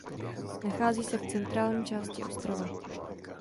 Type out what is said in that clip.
Nachází se v centrální části ostrova.